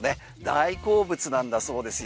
大好物なんだそうですよ。